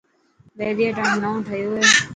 بهريا ٽائون نئون ٺهيو هي.